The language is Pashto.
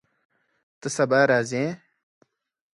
ته سبا راځې؟